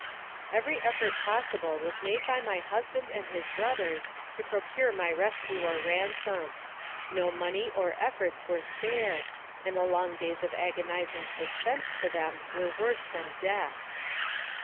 Every effort possible was made by my husband and his brothers to procure my rescue or ransom. No money or efforts were spared, and the long days of agonizing suspense to them were worse than death.